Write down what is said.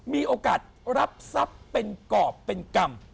มีโอกาสรับทรัพย์เป็นกรอบเป็นกรรม